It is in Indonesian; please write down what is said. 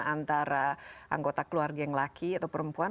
antara anggota keluarga yang laki atau perempuan